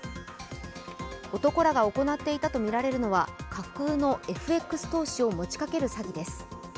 男らが行っていたとみられるのは架空のＦＸ投資を持ちかける詐偽です。